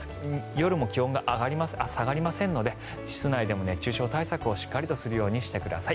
夜も気温が下がりませんので室内でも熱中症対策をしっかりとするようにしてください。